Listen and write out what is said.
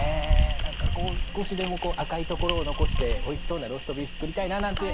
何かこう少しでも赤い所を残しておいしそうなローストビーフ作りたいななんて。